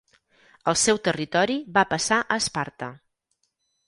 El seu territori va passar a Esparta.